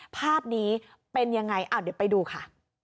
ภาพนี้เป็นยังไงเดี๋ยวไปดูค่ะ